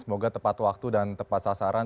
semoga tepat waktu dan tepat sasaran